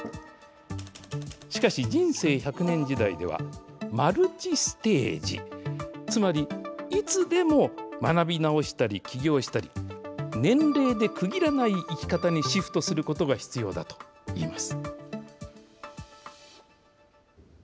しかし、人生１００年時代ではマルチステージ、つまり、いつでも学び直したり、起業したり、年齢で区切らない生き方にシフトすることが必要だといいます。